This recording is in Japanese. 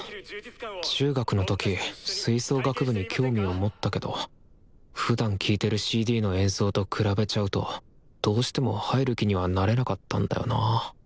中学の時吹奏楽部に興味を持ったけどふだん聴いてるＣＤの演奏と比べちゃうとどうしても入る気にはなれなかったんだよなぁ。